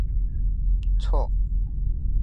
锯脂鲤亚科与其他脂鲤目的关系仍有待确定。